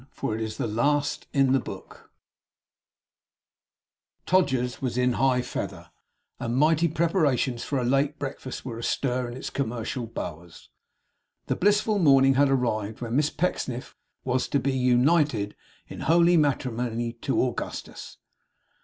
FOR IT IS THE LAST IN THE BOOK Todger's was in high feather, and mighty preparations for a late breakfast were astir in its commercial bowers. The blissful morning had arrived when Miss Pecksniff was to be united in holy matrimony, to Augustus.